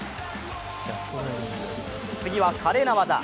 次は華麗な技。